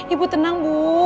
ibu tenang bu